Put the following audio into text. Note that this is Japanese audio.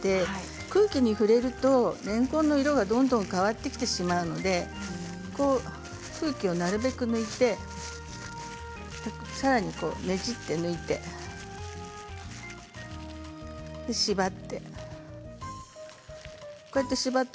空気に触れるとれんこんは色がどんどん変わってきてしまうので空気をなるべく抜いてさらにねじって抜いてねじって抜いて縛って。